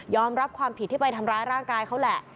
รับความผิดที่ไปทำร้ายร่างกายเขาแหละ